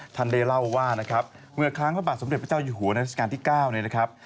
ท่านได้เล่าว่านะครับเมื่อครั้งพระบาทสมเด็จพระเจ้าอยู่หัวราชการที่๙เนี่ยนะครับ